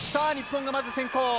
日本が、まず先行。